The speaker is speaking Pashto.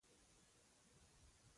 څراغ بند کړئ